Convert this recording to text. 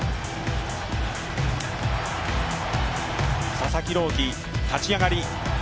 佐々木朗希、立ち上がり